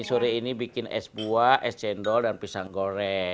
sore ini bikin es buah es cendol dan pisang goreng